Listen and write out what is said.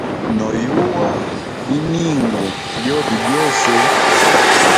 No yuwa biningwa byobe byose.